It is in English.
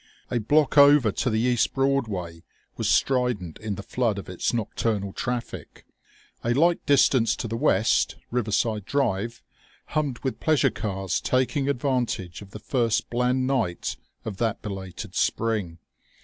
A block over to the east Broadway was strident in the flood of its nocturnal traffic; a like distance to the west Riverside Drive hummed with pleasure cars taking advantage of the first bland night of that belated spring.